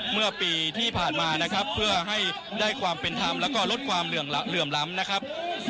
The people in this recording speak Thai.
เมื่อปีที่ผ่านมานะครับเพื่อให้ได้ความเป็นธรรมแล้วก็ลดความเหลื่อมล้ำนะครับ